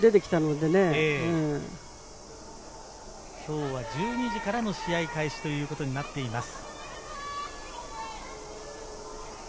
今日は１２時から試合開始となっています。